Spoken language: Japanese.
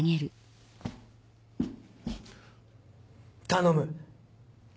頼む。